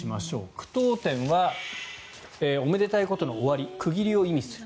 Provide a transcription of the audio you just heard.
句読点はおめでたいことの終わり区切りを意味する。